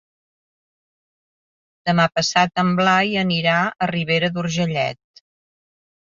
Demà passat en Blai anirà a Ribera d'Urgellet.